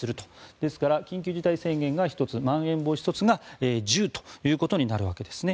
ですから、緊急事態宣言が１つまん延防止措置が１０ということになるわけですね。